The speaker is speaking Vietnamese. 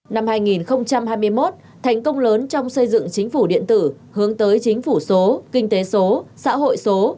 năm hai nghìn hai mươi một thành công lớn trong xây dựng chính phủ điện tử hướng tới chính phủ số kinh tế số xã hội số